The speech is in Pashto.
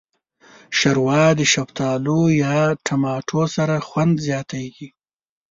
ښوروا د شفتالو یا ټماټو سره خوند زیاتیږي.